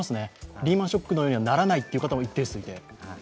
リーマン・ショックのようにはならないという方も一定数いて。